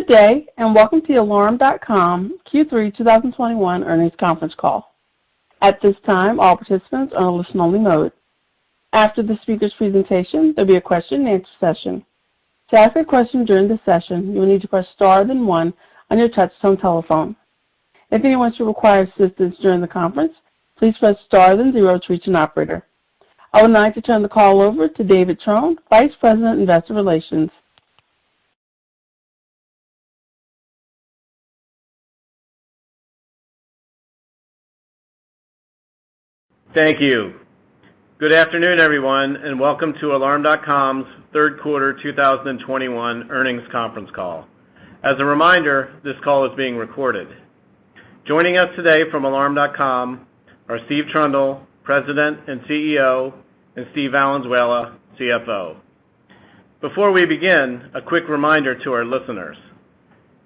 Good day, and welcome to Alarm.com Q3 2021 Earnings Conference Call. At this time, all participants are on listen only mode. After the speakers presentation, there'll be a question and answer session. To ask a question during the session, you will need to press star then one on your touchtone telephone. If anyone should require assistance during the conference, please press star then zero to reach an operator. I would now like to turn the call over to David Chung, Vice President, Investor Relations. Thank you. Good afternoon, everyone, and welcome to Alarm.com's Q3 2021 earnings conference call. As a reminder, this call is being recorded. Joining us today from Alarm.com are Steve Trundle, President and CEO, and Steve Valenzuela, CFO. Before we begin, a quick reminder to our listeners.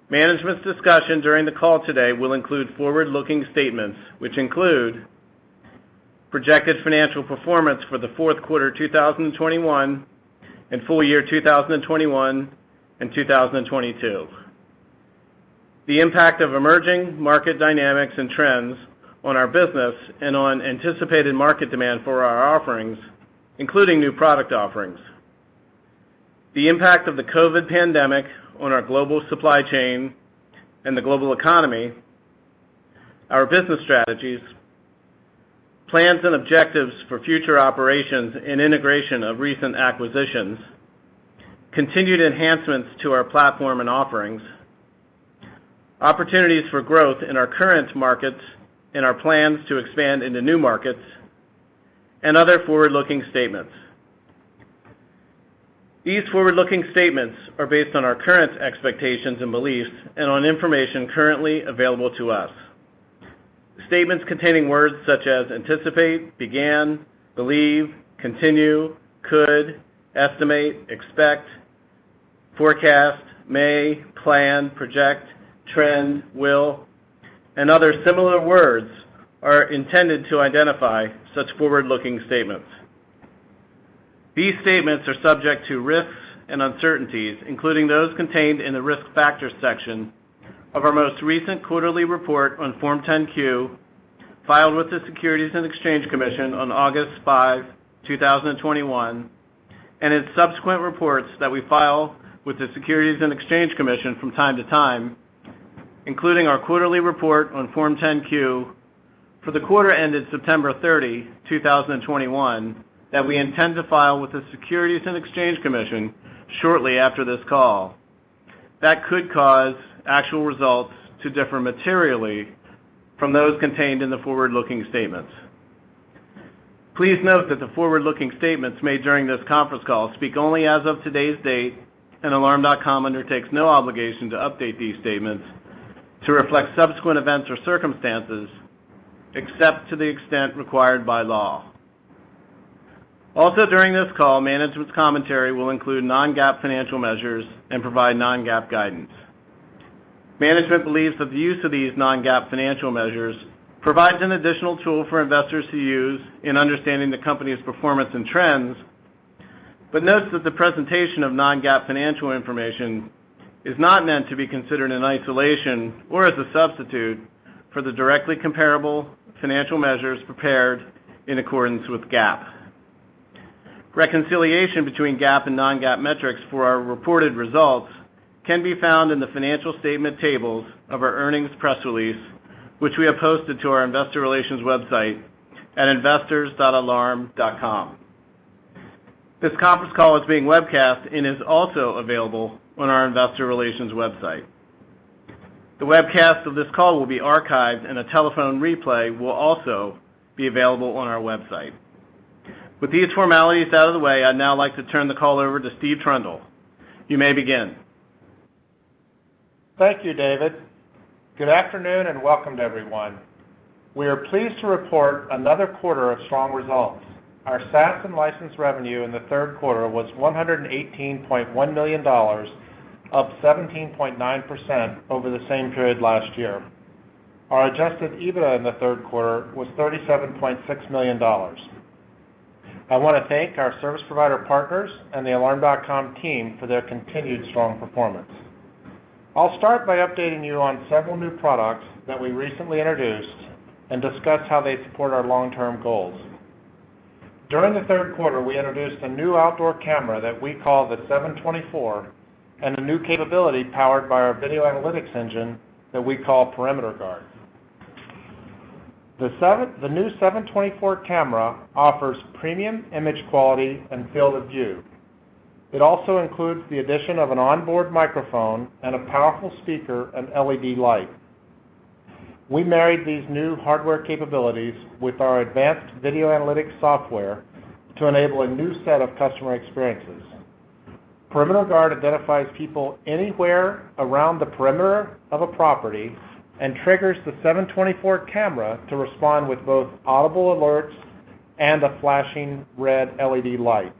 Management's discussion during the call today will include forward-looking statements which include projected financial performance for the Q4 2021 and full year 2021 and 2022, the impact of emerging market dynamics and trends on our business and on anticipated market demand for our offerings, including new product offerings, the impact of the COVID pandemic on our global supply chain and the global economy, our business strategies, plans and objectives for future operations and integration of recent acquisitions, continued enhancements to our platform and offerings, opportunities for growth in our current markets and our plans to expand into new markets and other forward-looking statements. These forward-looking statements are based on our current expectations and beliefs and on information currently available to us. Statements containing words such as anticipate, began, believe, continue, could, estimate, expect, forecast, may, plan, project, trend, will, and other similar words are intended to identify such forward-looking statements. These statements are subject to risks and uncertainties, including those contained in the Risk Factors section of our most recent quarterly report on Form 10-Q, filed with the Securities and Exchange Commission on August 5, 2021, and in subsequent reports that we file with the Securities and Exchange Commission from time to time, including our quarterly report on Form 10-Q for the quarter ended September 30, 2021, that we intend to file with the Securities and Exchange Commission shortly after this call. That could cause actual results to differ materially from those contained in the forward-looking statements. Please note that the forward-looking statements made during this conference call speak only as of today's date, and Alarm.com undertakes no obligation to update these statements to reflect subsequent events or circumstances, except to the extent required by law. Also during this call, mana gement's commentary will include non-GAAP financial measures and provide non-GAAP guidance. Management believes that the use of these non-GAAP financial measures provides an additional tool for investors to use in understanding the company's performance and trends, but notes that the presentation of non-GAAP financial information is not meant to be considered in isolation or as a substitute for the directly comparable financial measures prepared in accordance with GAAP. Reconciliation between GAAP and non-GAAP metrics for our reported results can be found in the financial statement tables of our earnings press release, which we have posted to our investor relations website at investors.alarm.com. This conference call is being webcast and is also available on our investor relations website. The webcast of this call will be archived and a telephone replay will also be available on our website. With these formalities out of the way, I'd now like to turn the call over to Steve Trundle. You may begin. Thank you, David. Good afternoon, and welcome to everyone. We are pleased to report another quarter of strong results. Our SaaS and license revenue in the Q3 was $118.1 million, up 17.9% over the same period last year. Our adjusted EBITDA in the Q3 was $37.6 million. I wanna thank our service provider partners and the Alarm.com team for their continued strong performance. I'll start by updating you on several new products that we recently introduced and discuss how they support our long-term goals. During the Q3, we introduced a new outdoor camera that we call the Seven Twenty-four and a new capability powered by our video analytics engine that we call Perimeter Guard. The new Seven Twenty-four camera offers premium image quality and field of view. It also includes the addition of an onboard microphone and a powerful speaker and LED light. We married these new hardware capabilities with our advanced video analytics software to enable a new set of customer experiences. Perimeter Guard identifies people anywhere around the perimeter of a property and triggers the 724 camera to respond with both audible alerts and a flashing red LED light.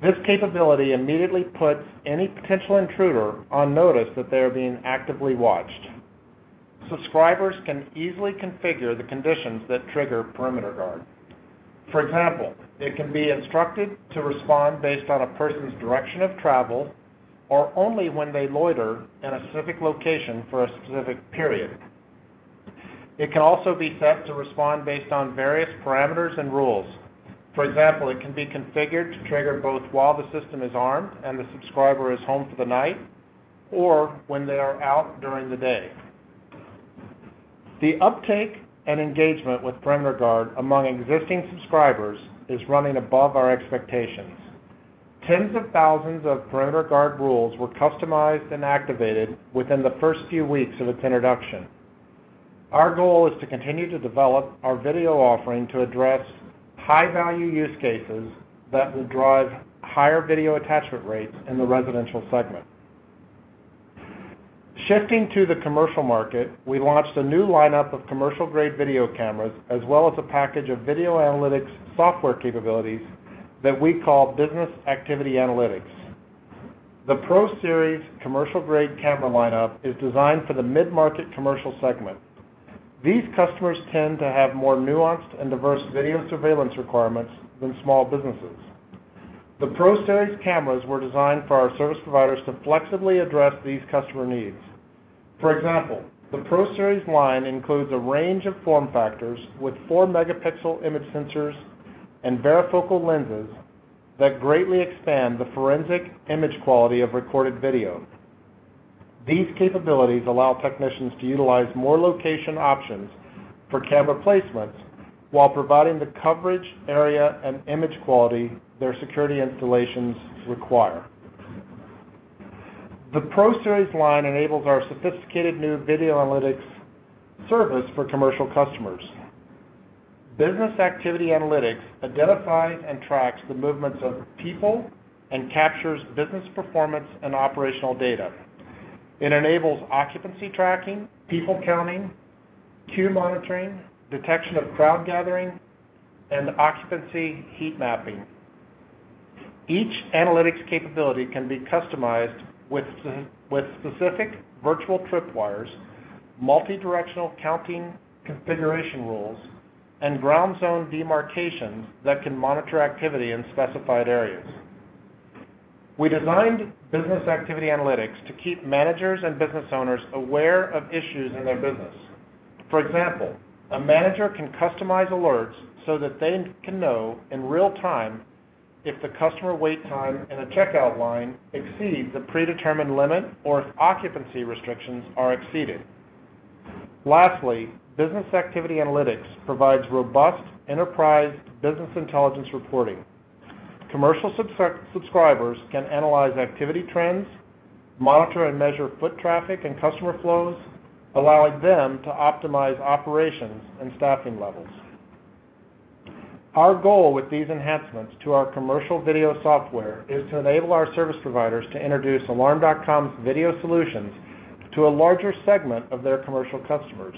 This capability immediately puts any potential intruder on notice that they are being actively watched. Subscribers can easily configure the conditions that trigger Perimeter Guard. For example, it can be instructed to respond based on a person's direction of travel or only when they loiter in a specific location for a specific period. It can also be set to respond based on various parameters and rules. For example, it can be configured to trigger both while the system is armed and the subscriber is home for the night or when they are out during the day. The uptake and engagement with Perimeter Guard among existing subscribers is running above our expectations. Tens of thousands of Perimeter Guard rules were customized and activated within the first few weeks of its introduction. Our goal is to continue to develop our video offering to address high-value use cases that will drive higher video attachment rates in the residential segment. Shifting to the commercial market, we launched a new lineup of commercial-grade video cameras as well as a package of video analytics software capabilities that we call Business Activity Analytics. The Pro Series commercial-grade camera lineup is designed for the mid-market commercial segment. These customers tend to have more nuanced and diverse video surveillance requirements than small businesses. The Pro Series cameras were designed for our service providers to flexibly address these customer needs. For example, the Pro Series line includes a range of form factors with 4-megapixel image sensors and varifocal lenses that greatly expand the forensic image quality of recorded video. These capabilities allow technicians to utilize more location options for camera placements while providing the coverage area and image quality their security installations require. The Pro Series line enables our sophisticated new video analytics service for commercial customers. Business Activity Analytics identifies and tracks the movements of people and captures business performance and operational data. It enables occupancy tracking, people counting, queue monitoring, detection of crowd gathering, and occupancy heat mapping. Each analytics capability can be customized with specific virtual tripwires, multidirectional counting configuration rules, and ground zone demarcations that can monitor activity in specified areas. We designed Business Activity Analytics to keep managers and business owners aware of issues in their business. For example, a manager can customize alerts so that they can know in real time if the customer wait time in a checkout line exceeds a predetermined limit or if occupancy restrictions are exceeded. Lastly, Business Activity Analytics provides robust enterprise business intelligence reporting. Commercial subscribers can analyze activity trends, monitor and measure foot traffic and customer flows, allowing them to optimize operations and staffing levels. Our goal with these enhancements to our commercial video software is to enable our service providers to introduce Alarm.com's video solutions to a larger segment of their commercial customers.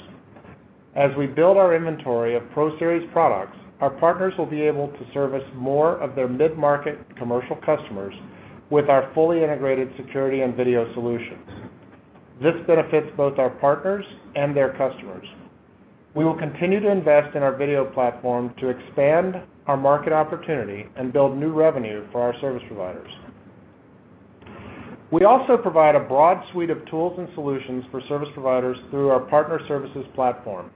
As we build our inventory of Pro Series products, our partners will be able to service more of their mid-market commercial customers with our fully integrated security and video solutions. This benefits both our partners and their customers. We will continue to invest in our video platform to expand our market opportunity and build new revenue for our service providers. We also provide a broad suite of tools and solutions for service providers through our Partner Services platform.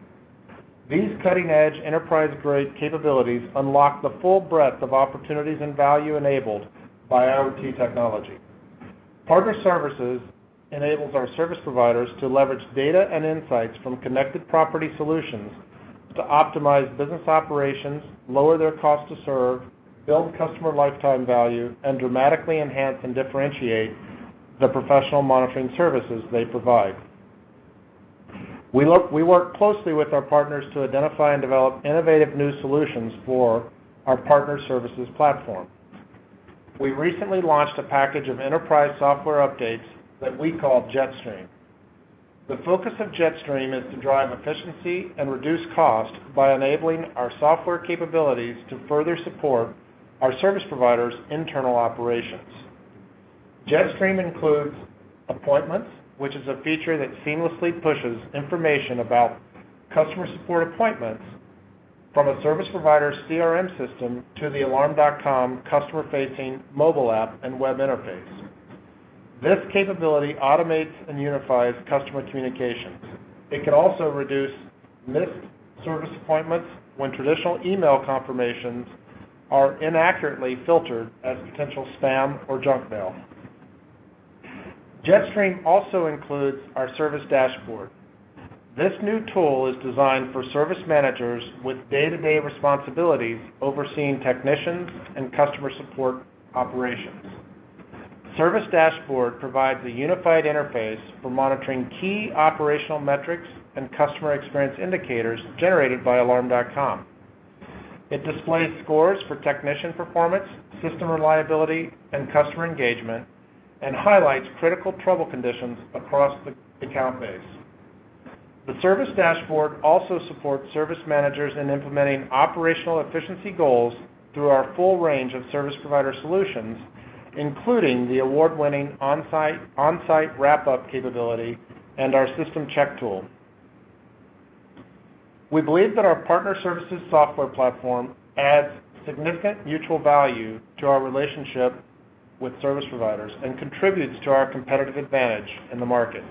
These cutting-edge, enterprise-grade capabilities unlock the full breadth of opportunities and value enabled by IoT technology. Partner Services enables our service providers to leverage data and insights from connected property solutions to optimize business operations, lower their cost to serve, build customer lifetime value, and dramatically enhance and differentiate the professional monitoring services they provide. We work closely with our partners to identify and develop innovative new solutions for our Partner Services platform. We recently launched a package of enterprise software updates that we call Jetstream. The focus of Jetstream is to drive efficiency and reduce cost by enabling our software capabilities to further support our service providers' internal operations. Jetstream includes Appointments, which is a feature that seamlessly pushes information about customer support appointments from a service provider's CRM system to the Alarm.com customer-facing mobile app and web interface. This capability automates and unifies customer communications. It can also reduce missed service appointments when traditional email confirmations are inaccurately filtered as potential spam or junk mail. Jetstream also includes our Service Dashboard. This new tool is designed for service managers with day-to-day responsibilities overseeing technicians and customer support operations. Service Dashboard provides a unified interface for monitoring key operational metrics and customer experience indicators generated by Alarm.com. It displays scores for technician performance, system reliability, and customer engagement and highlights critical trouble conditions across the account base. The Service Dashboard also supports service managers in implementing operational efficiency goals through our full range of service provider solutions, including the award-winning On-Site Wrap Up capability and our System Check tool. We believe that our Partner Services software platform adds significant mutual value to our relationship with service providers and contributes to our competitive advantage in the market.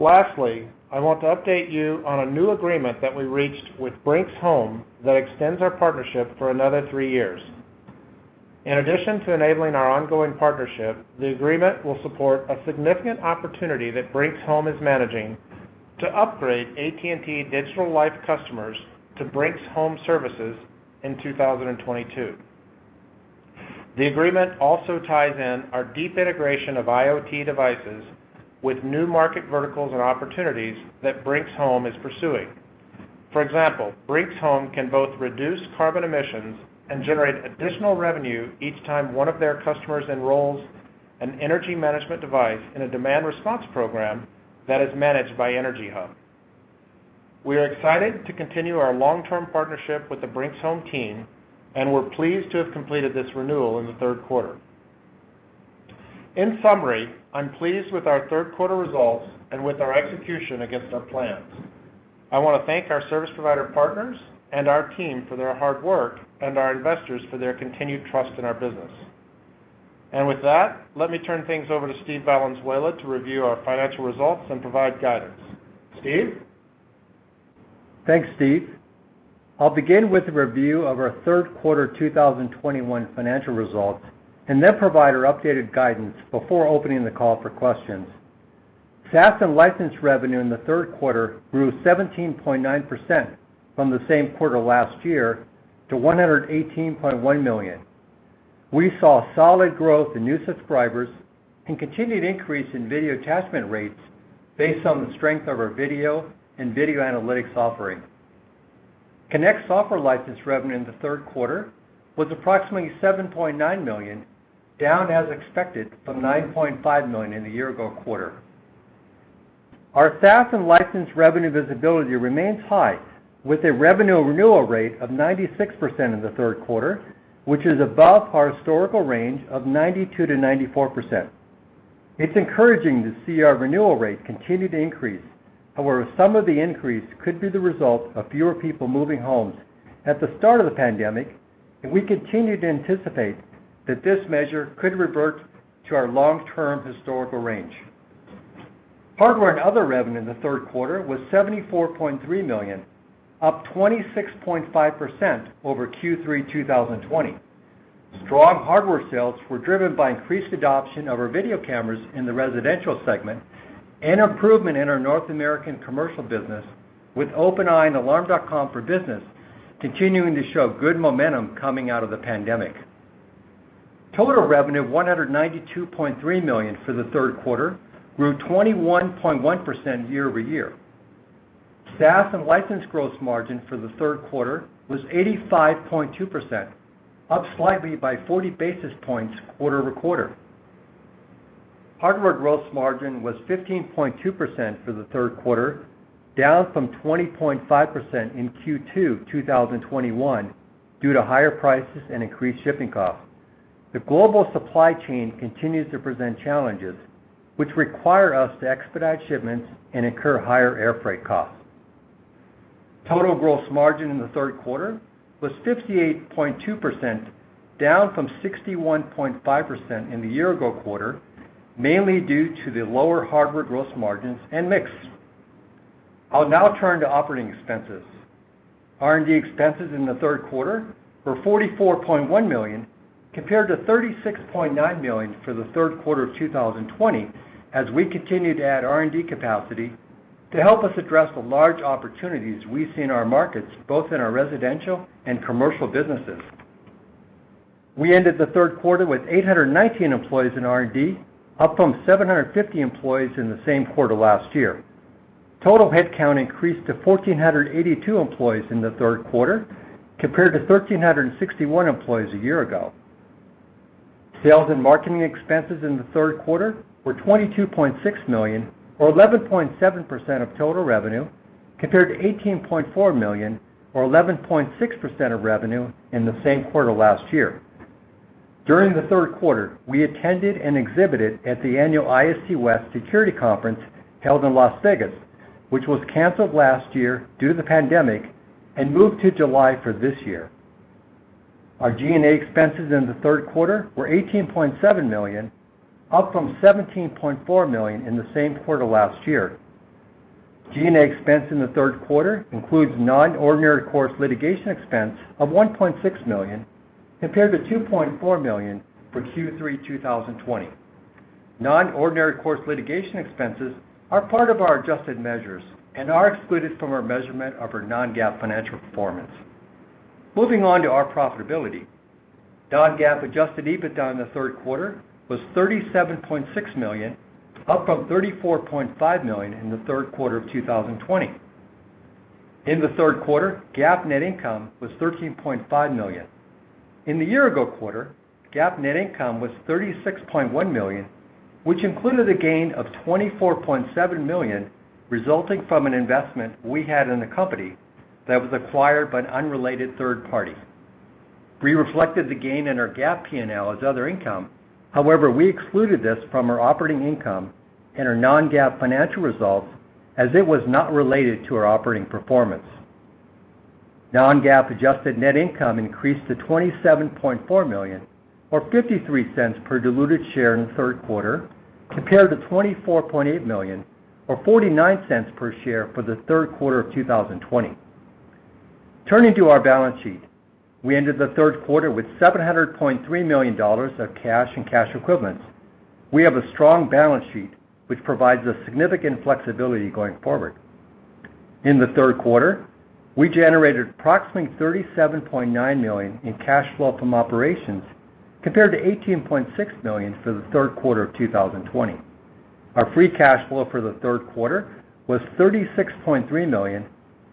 Lastly, I want to update you on a new agreement that we reached with Brinks Home that extends our partnership for another three years. In addition to enabling our ongoing partnership, the agreement will support a significant opportunity that Brinks Home is managing to upgrade AT&T Digital Life customers to Brinks Home services in 2022. The agreement also ties in our deep integration of IoT devices with new market verticals and opportunities that Brinks Home is pursuing. For example, Brinks Home can both reduce carbon emissions and generate additional revenue each time one of their customers enrolls an energy management device in a demand response program that is managed by EnergyHub. We are excited to continue our long-term partnership with the Brinks Home team, and we're pleased to have completed this renewal in the Q3. In summary, I'm pleased with our Q3 results and with our execution against our plans. I wanna thank our service provider partners and our team for their hard work and our investors for their continued trust in our business. With that, let me turn things over to Steve Valenzuela to review our financial results and provide guidance. Steve? Thanks, Steve. I'll begin with a review of our Q3 2021 financial results and then provide our updated guidance before opening the call for questions. SaaS and license revenue in the Q3 grew 17.9% from the same quarter last year to $118.1 million. We saw solid growth in new subscribers and continued increase in video attachment rates based on the strength of our video and video analytics offering. Connect software license revenue in the Q3 was approximately $7.9 million, down as expected from $9.5 million in the year-ago quarter. Our SaaS and license revenue visibility remains high with a revenue renewal rate of 96% in the Q3, which is above our historical range of 92%-94%. It's encouraging to see our renewal rate continue to increase. However, some of the increase could be the result of fewer people moving homes at the start of the pandemic, and we continue to anticipate that this measure could revert to our long-term historical range. Hardware and other revenue in the Q3 was $74.3 million, up 26.5% over Q3 2020. Strong hardware sales were driven by increased adoption of our video cameras in the residential segment and improvement in our North American commercial business with OpenEye and Alarm.com for Business continuing to show good momentum coming out of the pandemic. Total revenue of $192.3 million for the Q3 grew 21.1% year-over-year. SaaS and license gross margin for the Q3 was 85.2%, up slightly by 40 basis points quarter-over-quarter. Hardware gross margin was 15.2% for the Q3, down from 20.5% in Q2 2021 due to higher prices and increased shipping costs. The global supply chain continues to present challenges which require us to expedite shipments and incur higher airfreight costs. Total gross margin in the Q3 was 58.2%, down from 61.5% in the year-ago quarter, mainly due to the lower hardware gross margins and mix. I'll now turn to operating expenses. R&D expenses in the Q3 were $44.1 million compared to $36.9 million for the Q3 of 2020 as we continue to add R&D capacity to help us address the large opportunities we see in our markets, both in our residential and commercial businesses. We ended the Q3 with 819 employees in R&D, up from 750 employees in the same quarter last year. Total headcount increased to 1,482 employees in the Q3 compared to 1,361 employees a year ago. Sales and marketing expenses in the Q3 were $22.6 million or 11.7% of total revenue compared to $18.4 million or 11.6% of revenue in the same quarter last year. During the Q3, we attended and exhibited at the annual ISC West Security Conference held in Las Vegas, which was canceled last year due to the pandemic and moved to July for this year. Our G&A expenses in the Q3 were $18.7 million, up from $17.4 million in the same quarter last year. G&A expense in the Q3 includes non-ordinary course litigation expense of $1.6 million compared to $2.4 million for Q3 2020. Non-ordinary course litigation expenses are part of our adjusted measures and are excluded from our measurement of our non-GAAP financial performance. Moving on to our profitability. Non-GAAP adjusted EBITDA in the Q3 was $37.6 million, up from $34.5 million in the Q3 of 2020. In the Q3, GAAP net income was $13.5 million. In the year-ago quarter, GAAP net income was $36.1 million, which included a gain of $24.7 million resulting from an investment we had in a company that was acquired by an unrelated third party. We reflected the gain in our GAAP P&L as other income. However, we excluded this from our operating income and our non-GAAP financial results as it was not related to our operating performance. Non-GAAP adjusted net income increased to $27.4 million, or $0.53 per diluted share in the Q3, compared to $24.8 million or $0.49 per share for the Q3 of 2020. Turning to our balance sheet. We ended the Q3 with $700.3 million of cash and cash equivalents. We have a strong balance sheet, which provides us significant flexibility going forward. In the Q3, we generated approximately $37.9 million in cash flow from operations compared to $18.6 million for the Q3 of 2020. Our free cash flow for the Q3 was $36.3 million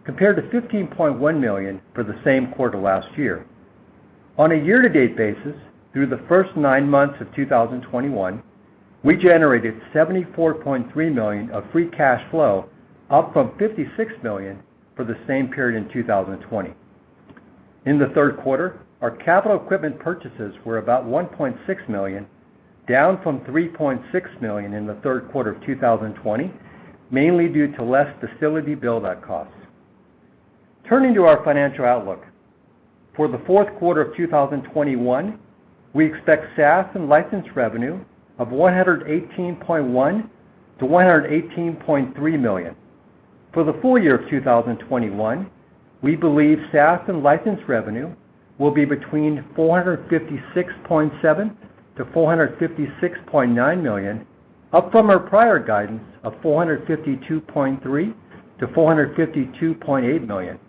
compared to $15.1 million for the same quarter last year. On a year-to-date basis through the first nine months of 2021, we generated $74.3 million of free cash flow, up from $56 million for the same period in 2020. In the Q3, our capital equipment purchases were about $1.6 million, down from $3.6 million in the Q3 of 2020, mainly due to less facility build-out costs. Turning to our financial outlook. For the Q4 of 2021, we expect SaaS and license revenue of $118.1 million-$118.3 million. For the full year of 2021, we believe SaaS and license revenue will be between $456.7 million-$456.9 million, up from our prior guidance of $452.3 million-$452.8 million.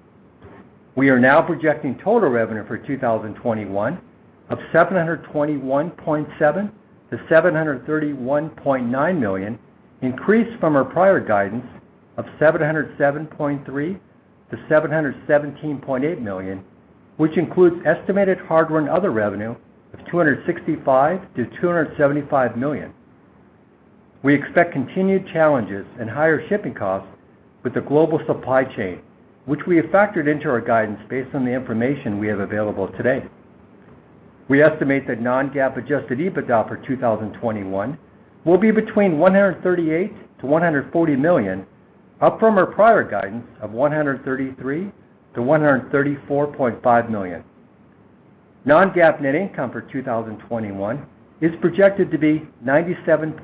We are now projecting total revenue for 2021 of $721.7 million-$731.9 million, increased from our prior guidance of $707.3 million-$717.8 million, which includes estimated hardware and other revenue of $265 million-$275 million. We expect continued challenges and higher shipping costs with the global supply chain, which we have factored into our guidance based on the information we have available today. We estimate that non-GAAP adjusted EBITDA for 2021 will be between $138 million-$140 million, up from our prior guidance of $133 million-$134.5 million. Non-GAAP net income for 2021 is projected to be $97.3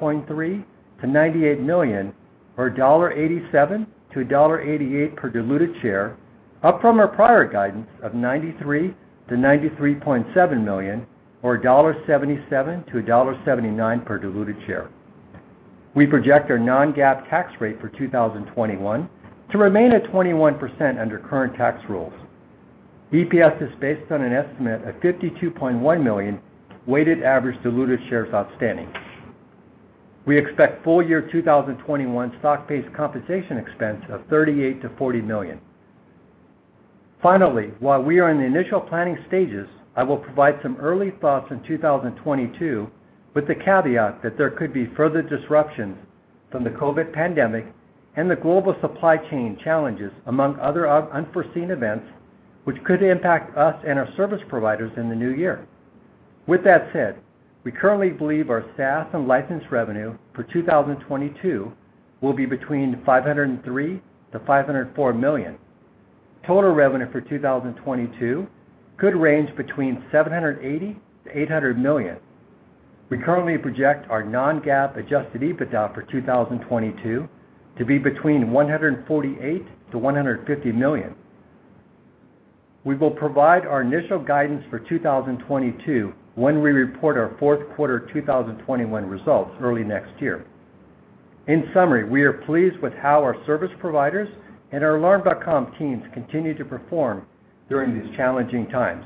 million-$98 million or $1.87-$1.88 per diluted share, up from our prior guidance of $93 million-$93.7 million or $1.77-$1.79 per diluted share. We project our non-GAAP tax rate for 2021 to remain at 21% under current tax rules. EPS is based on an estimate of 52.1 million weighted average diluted shares outstanding. We expect full year 2021 stock-based compensation expense of $38 million-$40 million. Finally, while we are in the initial planning stages, I will provide some early thoughts on 2022 with the caveat that there could be further disruptions from the COVID pandemic and the global supply chain challenges among other unforeseen events which could impact us and our service providers in the new year. With that said, we currently believe our SaaS and license revenue for 2022 will be between $503 million-$504 million. Total revenue for 2022 could range between $780 million-$800 million. We currently project our non-GAAP adjusted EBITDA for 2022 to be between $148 million-$150 million. We will provide our initial guidance for 2022 when we report our Q4 2021 results early next year. In summary, we are pleased with how our service providers and our Alarm.com teams continue to perform during these challenging times.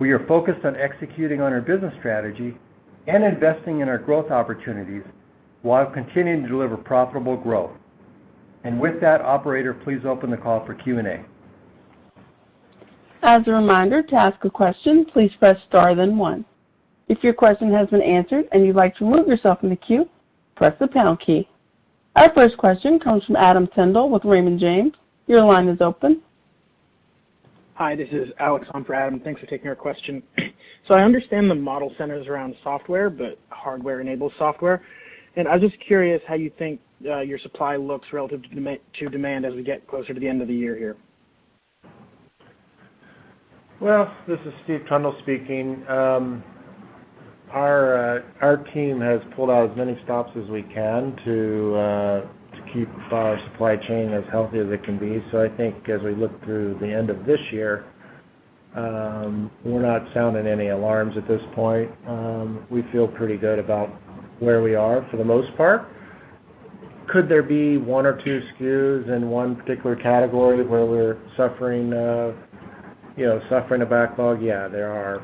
We are focused on executing on our business strategy and investing in our growth opportunities while continuing to deliver profitable growth. With that, operator, please open the call for Q&A. Our first question comes from Adam Tindle with Raymond James. Your line is open. Hi, this is Alex on for Adam. Thanks for taking our question. I understand the model centers around software, but hardware enables software, and I was just curious how you think your supply looks relative to demand as we get closer to the end of the year here. Well, this is Steve Trundle speaking. Our team has pulled out as many stops as we can to keep our supply chain as healthy as it can be. I think as we look through the end of this year, we're not sounding any alarms at this point. We feel pretty good about where we are for the most part. Could there be one or two SKUs in one particular category where we're suffering a backlog? Yeah, there are.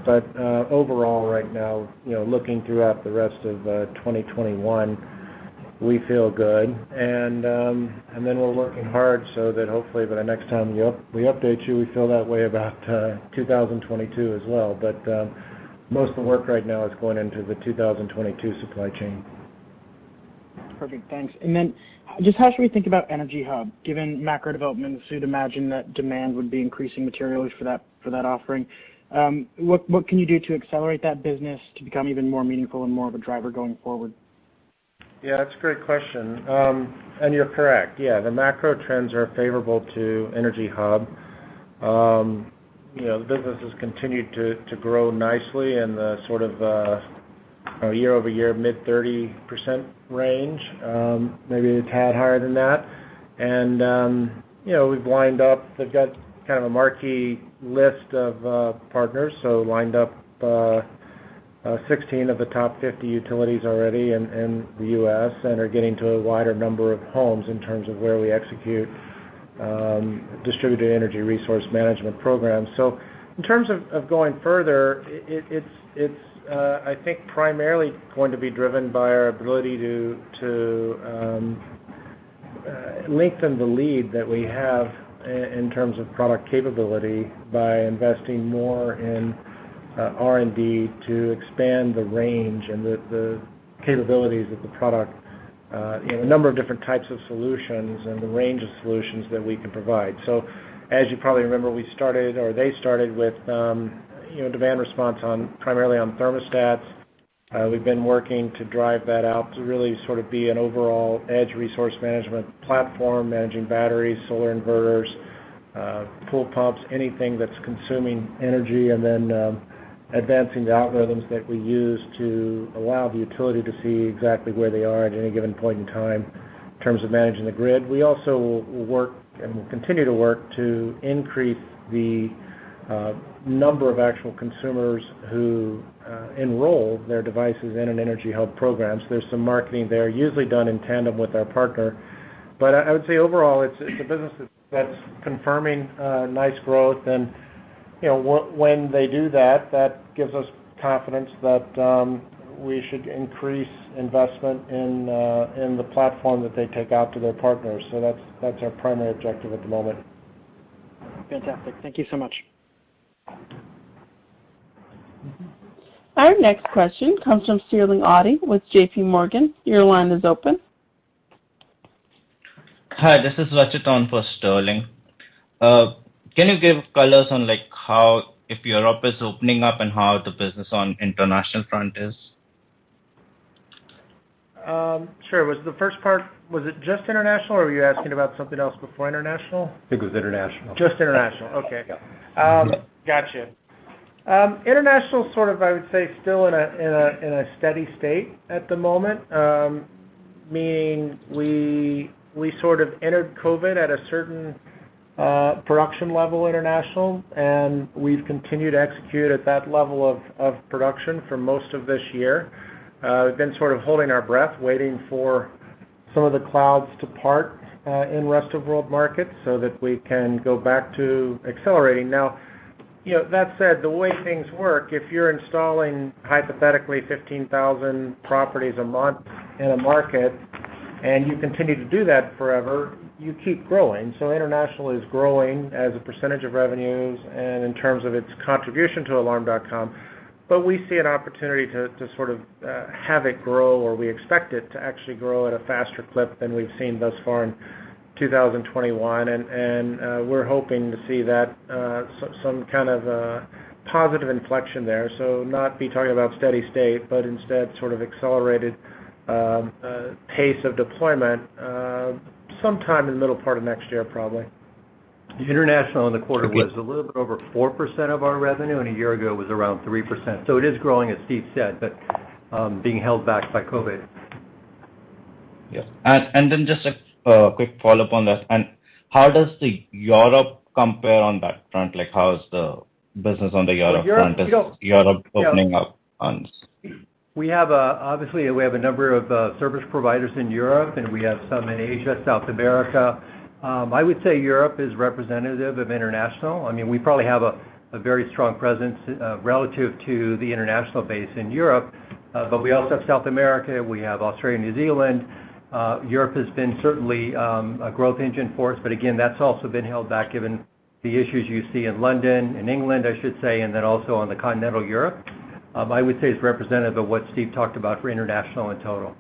Overall, right now looking throughout the rest of 2021, we feel good. We're working hard so that hopefully by the next time we update you, we feel that way about 2022 as well. most of the work right now is going into the 2022 supply chain. Perfect. Thanks. Just how should we think about EnergyHub given macro developments? You'd imagine that demand would be increasing materially for that offering. What can you do to accelerate that business to become even more meaningful and more of a driver going forward? Yeah, that's a great question. You're correct. Yeah, the macro trends are favorable to EnergyHub. You know, the business has continued to grow nicely in the sort of year-over-year mid-30% range, maybe a tad higher than that. You know, we've lined up. We've got kind of a marquee list of partners, so lined up 16 of the top 50 utilities already in the U.S. and are getting to a wider number of homes in terms of where we execute distributed energy resource management programs. In terms of going further, it's primarily going to be driven by our ability to lengthen the lead that we have in terms of product capability by investing more in R&D to expand the range and the capabilities of the product in a number of different types of solutions and the range of solutions that we can provide. As you probably remember, we started, or they started with demand response primarily on thermostats. We've been working to drive that out to really sort of be an overall edge resource management platform, managing batteries, solar inverters, pool pumps, anything that's consuming energy, and then advancing the algorithms that we use to allow the utility to see exactly where they are at any given point in time in terms of managing the grid. We also will work and will continue to work to increase the number of actual consumers who enroll their devices in an EnergyHub programs. There's some marketing there, usually done in tandem with our partner. I would say overall it's a business that's confirming nice growth. You know, when they do that gives us confidence that we should increase investment in the platform that they take out to their partners. That's our primary objective at the moment. Fantastic. Thank you so much. Our next question comes from Sterling Auty with JP Morgan. Your line is open. Hi, this is Rachit on for Sterling. Can you give color on, like, how, if Europe is opening up and how the business on international front is? Sure. Was it just international or were you asking about something else before international? I think it was international. Just international. Okay. Yeah. Gotcha. International, sort of, I would say, still in a steady state at the moment, meaning we sort of entered COVID at a certain production level international, and we've continued to execute at that level of production for most of this year. We've been sort of holding our breath, waiting for some of the clouds to part in rest of world markets so that we can go back to accelerating. now that said, the way things work, if you're installing hypothetically 15,000 properties a month in a market and you continue to do that forever, you keep growing. International is growing as a percentage of revenues and in terms of its contribution to Alarm.com, but we see an opportunity to have it grow, or we expect it to actually grow at a faster clip than we've seen thus far in 2021. We're hoping to see some kind of a positive inflection there, not be talking about steady state, but instead sort of accelerated pace of deployment sometime in the middle part of next year, probably. International in the quarter was a little bit over 4% of our revenue, and a year ago it was around 3%. It is growing, as Steve said, but being held back by COVID. Yes. Just a quick follow-up on that. How does Europe compare on that front? Like, how is the business on the Europe front? Is Europe opening up on- We have obviously we have a number of service providers in Europe, and we have some in Asia, South America. I would say Europe is representative of international. I mean, we probably have a very strong presence relative to the international base in Europe. But we also have South America. We have Australia, New Zealand. Europe has been certainly a growth engine for us, but again, that's also been held back given the issues you see in London, in England, I should say, and then also on the continental Europe. I would say it's representative of what Steve talked about for international in total.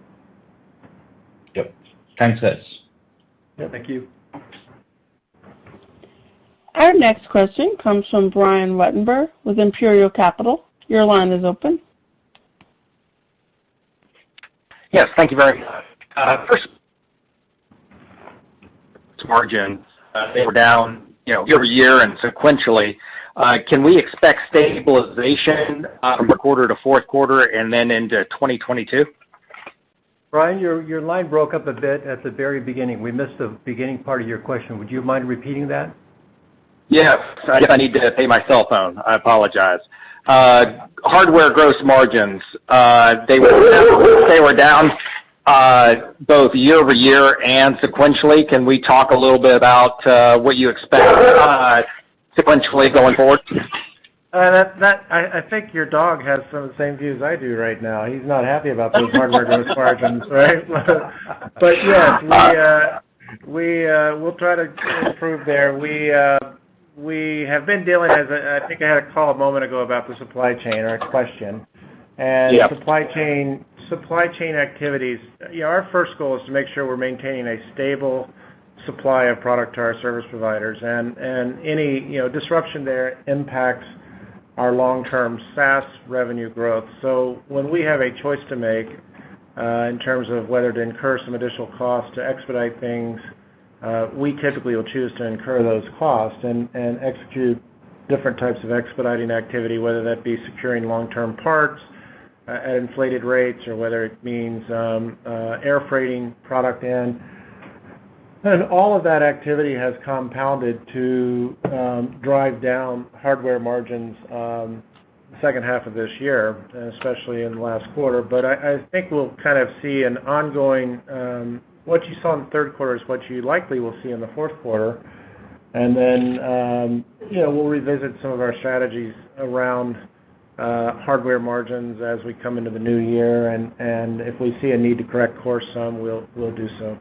Yep. Thanks, guys. Yeah, thank you. Our next question comes from Brian Ruttenbur with Imperial Capital. Your line is open. Yes. Thank you very much. First, margin, they were down year-over-year and sequentially. Can we expect stabilization from Q3 to Q4 and then into 2022? Brian, your line broke up a bit at the very beginning. We missed the beginning part of your question. Would you mind repeating that? Yes. I guess I need to pay my cell phone. I apologize. Hardware gross margins, they were down both year-over-year and sequentially. Can we talk a little bit about what you expect sequentially going forward? I think your dog has some of the same views I do right now. He's not happy about those hardware gross margins, right? Yes, we'll try to improve there. We have been dealing, as I think I had a call a moment ago about the supply chain or a question. Yeah. Supply chain activities. Yeah, our first goal is to make sure we're maintaining a stable supply of product to our service providers. any disruption there impacts our long-term SaaS revenue growth. When we have a choice to make, in terms of whether to incur some additional costs to expedite things, we typically will choose to incur those costs and execute different types of expediting activity, whether that be securing long-term parts at inflated rates or whether it means air freighting product in. All of that activity has compounded to drive down hardware margins on the second half of this year, especially in the last quarter. I think we'll kind of see an ongoing. What you saw in the Q3 is what you likely will see in the Q4. then we'll revisit some of our strategies around hardware margins as we come into the new year. If we see a need to correct course some, we'll do so.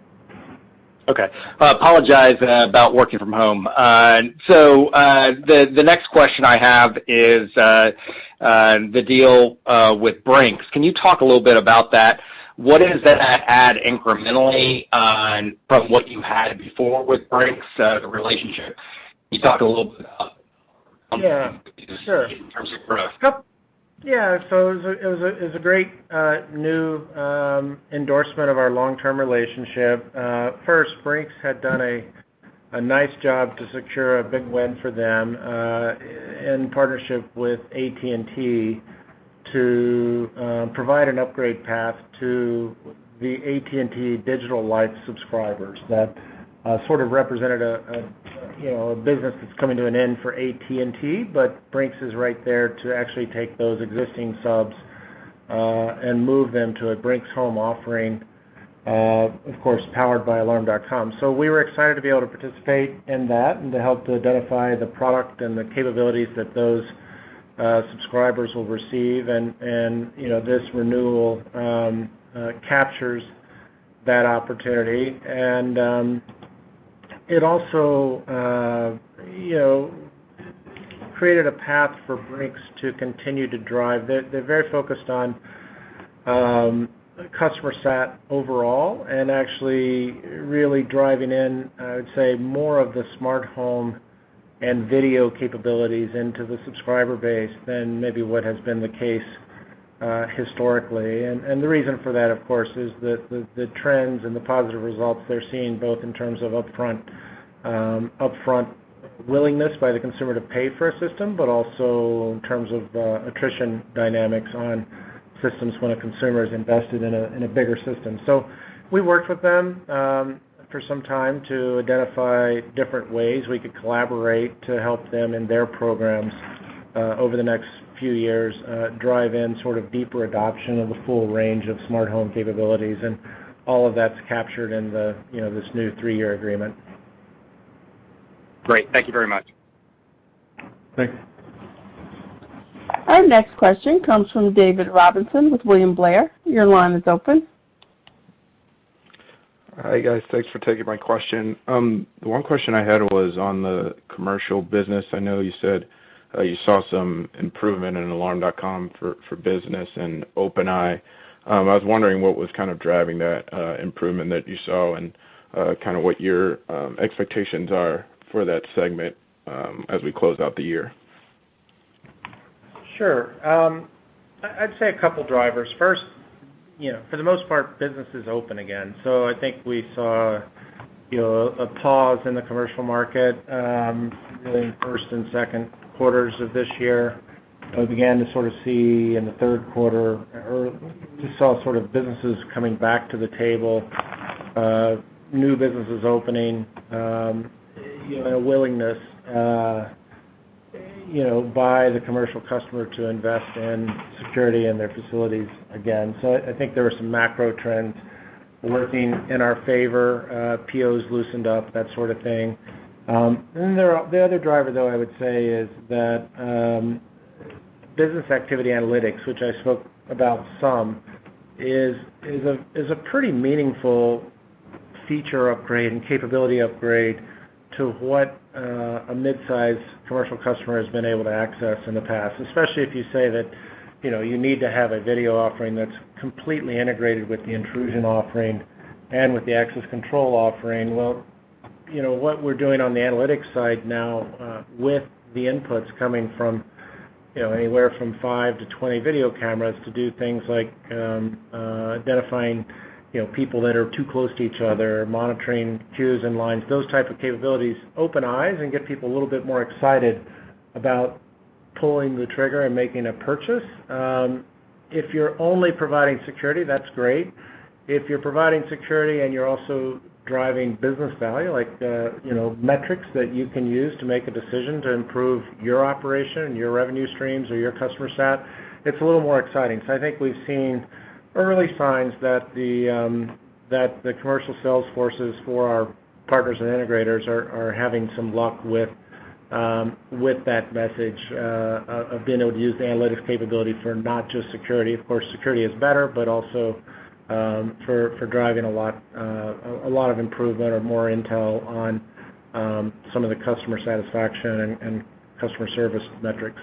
Okay. I apologize about working from home. The next question I have is, the deal with Brinks. Can you talk a little bit about that? What does that add incrementally, from what you had before with Brinks, the relationship? Can you talk a little bit about- Yeah. Sure. in terms of growth? Yeah. It was a great new endorsement of our long-term relationship. First, Brinks had done a nice job to secure a big win for them in partnership with AT&T to provide an upgrade path to the AT&T Digital Life subscribers. That sort of represented a business that's coming to an end for AT&T, but Brinks is right there to actually take those existing subs and move them to a Brinks Home offering of course powered by Alarm.com. We were excited to be able to participate in that and to help to identify the product and the capabilities that those subscribers will receive. You know, this renewal captures that opportunity. It also created a path for Brinks to continue to drive. They're very focused on customer sat overall and actually really driving in, I would say, more of the smart home and video capabilities into the subscriber base than maybe what has been the case historically. The reason for that, of course, is the trends and the positive results they're seeing both in terms of upfront willingness by the consumer to pay for a system, but also in terms of attrition dynamics on systems when a consumer is invested in a bigger system. We worked with them for some time to identify different ways we could collaborate to help them in their programs over the next few years drive in sort of deeper adoption of the full range of smart home capabilities. All of that's captured in the this new three-year agreement. Great. Thank you very much. Thanks. Our next question comes from David Robinson with William Blair. Your line is open. Hi, guys. Thanks for taking my question. The one question I had was on the commercial business. I know you said you saw some improvement in Alarm.com for Business and OpenEye. I was wondering what was kind of driving that improvement that you saw and kind of what your expectations are for that segment as we close out the year. Sure. I'd say a couple drivers. first for the most part, business is open again. I think we saw a pause in the commercial market, really in the first and Q2s of this year. We began to sort of see in the Q3 we saw sort of businesses coming back to the table, new businesses opening a willingness by the commercial customer to invest in security in their facilities again. I think there were some macro trends working in our favor, POs loosened up, that sort of thing. The other driver, though, I would say, is that, business activity analytics, which I spoke about some, is a pretty meaningful feature upgrade and capability upgrade to what a midsize commercial customer has been able to access in the past, especially if you say that you need to have a video offering that's completely integrated with the intrusion offering and with the access control offering. well what we're doing on the analytics side now, with the inputs coming from anywhere from 5-20 video cameras to do things like identifying people that are too close to each other, monitoring queues and lines, those type of capabilities open eyes and get people a little bit more excited about pulling the trigger and making a purchase. If you're only providing security, that's great. If you're providing security and you're also driving business value, like metrics that you can use to make a decision to improve your operation, your revenue streams or your customer sat, it's a little more exciting. I think we've seen early signs that the commercial sales forces for our partners and integrators are having some luck with that message of being able to use the analytics capability for not just security. Of course, security is better, but also for driving a lot of improvement or more intel on some of the customer satisfaction and customer service metrics.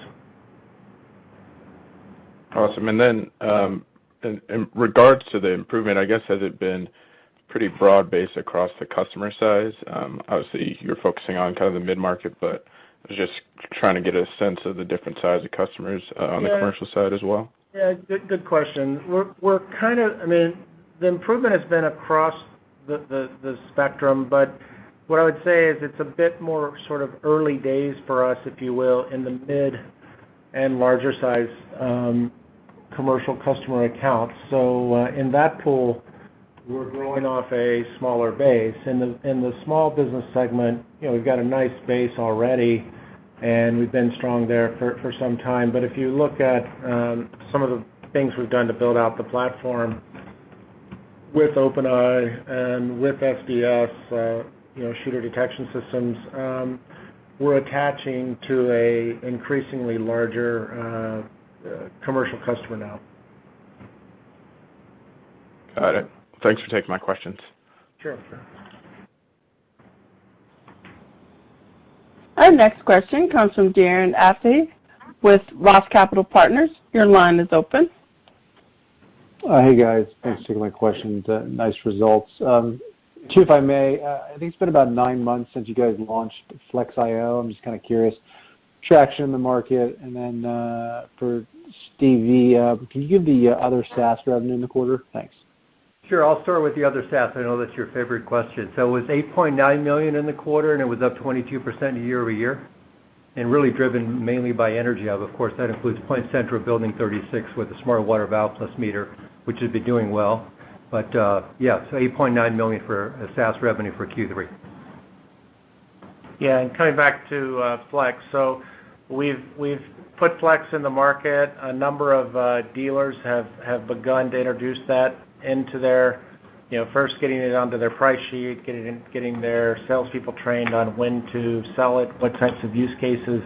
Awesome. In regards to the improvement, I guess, has it been pretty broad-based across the customer size? Obviously, you're focusing on kind of the mid-market, but I was just trying to get a sense of the different size of customers on the commercial side as well. Yeah. Good question. We're kind of. I mean, the improvement has been across the spectrum, but what I would say is it's a bit more sort of early days for us, if you will, in the mid and larger size commercial customer accounts. So, in that pool, we're growing off a smaller base. In the small business segment we've got a nice base already, and we've been strong there for some time. If you look at some of the things we've done to build out the platform with OpenEye and with SDS Shooter Detection Systems, we're attaching to a increasingly larger commercial customer now. Got it. Thanks for taking my questions. Sure. Sure. Our next question comes from Darren Aftahi with ROTH Capital Partners. Your line is open. Hey, guys. Thanks for taking my questions. Nice results. Two, if I may. I think it's been about nine months since you guys launched Flex IO. I'm just kinda curious, traction in the market. For Stevie, can you give the other SaaS revenue in the quarter? Thanks. Sure. I'll start with the other SaaS. I know that's your favorite question. It was $8.9 million in the quarter, and it was up 22% year-over-year, and really driven mainly by energy. Of course, that includes PointCentral Building 36 with the smart water valve plus meter, which has been doing well. $8.9 million for SaaS revenue for Q3. Coming back to Flex IO, we've put Flex IO in the market. A number of dealers have begun to introduce that into their first getting it onto their price sheet, getting their salespeople trained on when to sell it, what types of use cases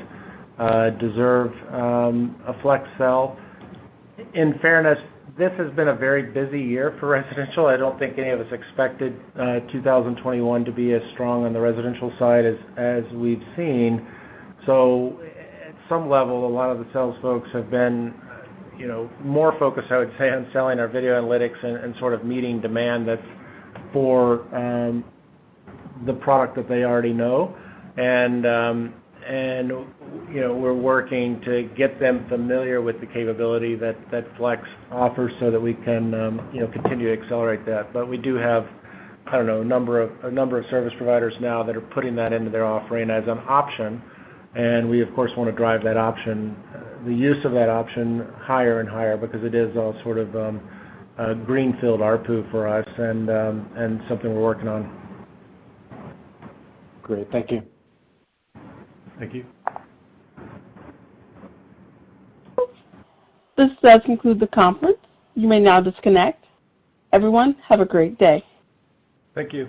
deserve a Flex IO sell. In fairness, this has been a very busy year for residential. I don't think any of us expected 2020 to be as strong on the residential side as we've seen. At some level, a lot of the sales folks have been more focused, I would say, on selling our video analytics and sort of meeting demand that's for the product that they already know. You know, we're working to get them familiar with the capability that Flex offers so that we can continue to accelerate that. We do have, I don't know, a number of service providers now that are putting that into their offering as an option. We, of course, wanna drive that option, the use of that option higher and higher because it is all sort of a green field ARPU for us and something we're working on. Great. Thank you. Thank you. This does conclude the conference. You may now disconnect. Everyone, have a great day. Thank you.